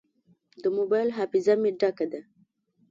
د موبایل حافظه مې ډکه ده.